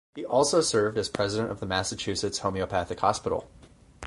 He also served as president of the Massachusetts Homeopathic Hospital.